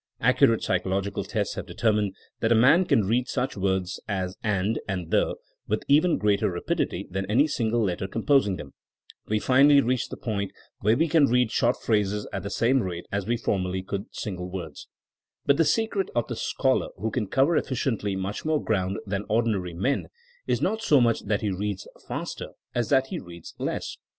Accurate psychological tests have determined that a man can read such words as and*' and the^' with even greater rapidity than any single letter composing them. We finally reach the point where we can read short THINKING AS A SCIENCE 175 phrases at the same rate as we formerly could single words. But the secret of the scholar who can cover efficiently much more ground than ordinary men is not so much that he reads faster, as that he reads less.